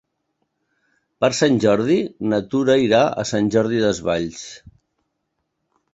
Per Sant Jordi na Tura irà a Sant Jordi Desvalls.